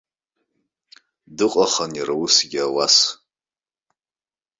Дыҟахын иара усгьы ауас.